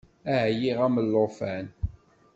Ɛyiɣ am llufan.